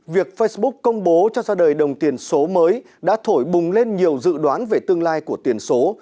việc facebook công bố cho ra đời đồng tiền số mới đã thổi bùng lên nhiều dự đoán về tương lai của tiền số